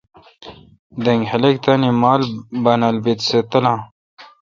دینگ خلق تانی مال بانال بیت سہ تلاں۔